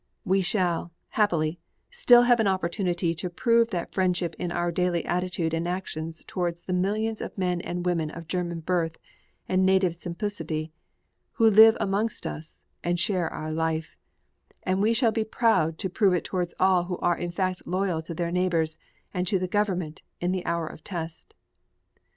We shall, happily, still have an opportunity to prove that friendship in our daily attitude and actions towards the millions of men and women of German birth and native sympathy who live amongst us and share our life, and we shall be proud to prove it towards all who are in fact loyal to their neighbors and to the government in the hour of test.